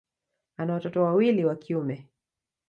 Ana watoto wawili wa kiume.